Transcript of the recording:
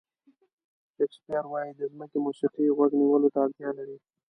شکسپیر وایي د ځمکې موسیقي غوږ نیولو ته اړتیا لري.